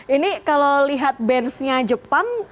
ini kalau lihat benchnya jepang